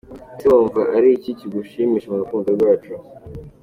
Ese wumva ari iki kigushimisha mu rukundo rwacu?.